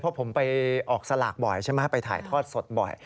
เพราะผมไปออกสลากบ่อยใช่ไหมไปถ่ายทอดสดบ่อย